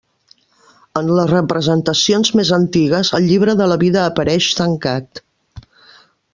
En les representacions més antigues el Llibre de la vida apareix tancat.